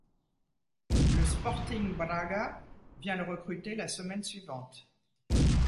Le Sporting Braga vient le recruter la saison suivante.